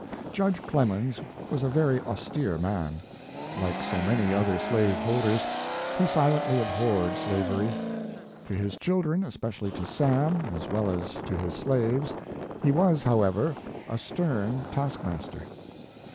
Judge Clemens was a very austere man; like so many other slave holders, he silently abhorred slavery. To his children, especially to Sam, as well as to his slaves, he was, however, a stern taskmaster.